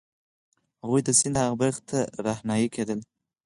هغوی د سیند هغې برخې ته رهنيي کېدل.